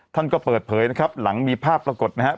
ท่านก็เปิดเผยนะครับหลังมีภาพปรากฏนะครับ